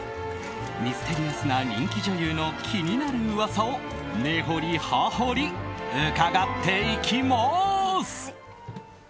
ミステリアスな人気女優の気になる噂を根掘り葉掘り伺っていきます。